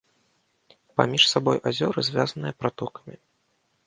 Паміж сабой азёры звязаныя пратокамі.